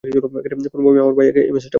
কোনভাবে আমার ভাইয়কে এই মেসেজটা পাঠাও।